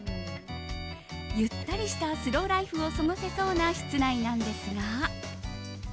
ゆったりしたスローライフを過ごせそうな室内なんですが。